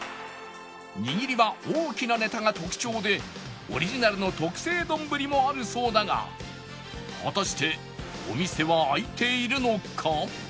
握りは大きなネタが特徴でオリジナルの特製丼もあるそうだが果たしてお店は開いているのか？